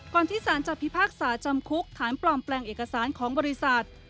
ที่สารจะพิพากษาจำคุกฐานปลอมแปลงเอกสารของบริษัท